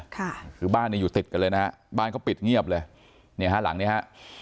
ค่ะคือบ้านเนี่ยอยู่ติดกันเลยนะฮะบ้านเขาปิดเงียบเลยเนี่ยฮะหลังเนี้ยฮะ